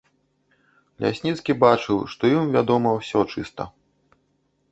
Лясніцкі бачыў, што ім вядома ўсё чыста.